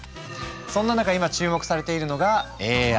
そんな中今注目されているのがＡＩ。